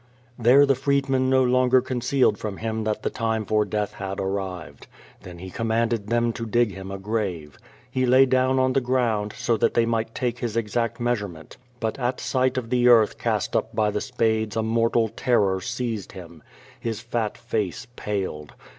There the freedman no longer concealed from him that the time for death had arrived. Then he commanded them to dig him a grave. He lay down on the ground, so that they might take his exact measurement. But at sight of the earth cast up by the spades a mortal terror seized him. His fat face paled.